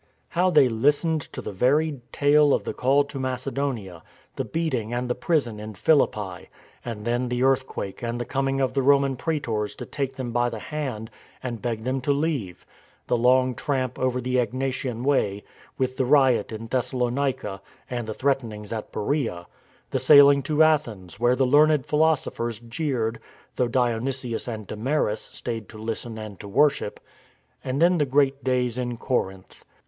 How they listened to the varied tale of the call to Macedonia, the beating and the prison in Philippi, and then the earthquake and the coming of the Roman prsetors to take them by the hand and beg them to leave; the long tramp over the Egnatian Way (with the riot in Thessalonica, and the threatenings at Beroea); the sailing to Athens where the learned philosophers jeered, though Dionysius and Damaris stayed to listen and to worship, and then the great days in Corinth.